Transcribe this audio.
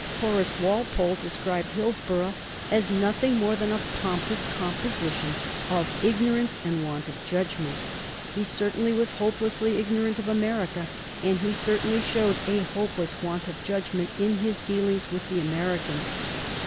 Horace Walpole described Hillsborough as nothing more than a pompous composition of ignorance and want of judgment. He certainly was hopelessly ignorant of America, and he certainly showed a hopeless want of judgment in his dealings with the Americans.